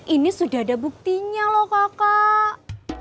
ini sudah ada buktinya loh kakak